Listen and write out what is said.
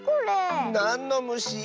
なんのむし？